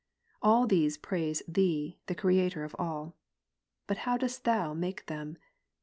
All these praise Thee, the Creator of all. But how dost Thou make them